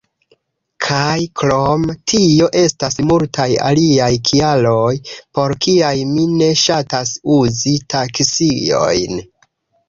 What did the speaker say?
Kaj krom tio, estas multaj aliaj kialoj, por kial mi ne ŝatas uzi taksiojn.